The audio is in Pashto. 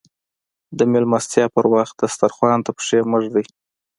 د ميلمستيا پر وخت دسترخوان ته پښې مه ږدئ.